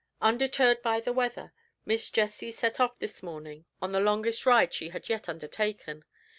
Undeterred by the weather, Miss Jessie set off this morning on the longest ride she had yet undertaken.